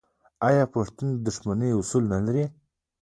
آیا پښتون د دښمنۍ اصول نلري؟